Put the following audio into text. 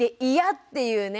っていうね